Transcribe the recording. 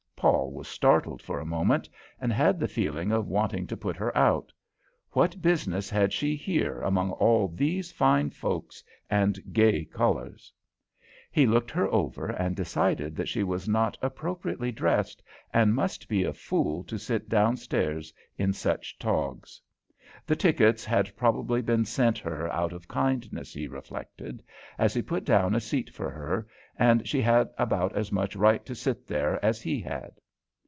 Paul was startled for a moment, and had the feeling of wanting to put her out; what business had she here among all these fine people and gay colours? He looked her over and decided that she was not appropriately dressed and must be a fool to sit downstairs in such togs. The tickets had probably been sent her out of kindness, he reflected, as he put down a seat for her, and she had about as much right to sit there as he had.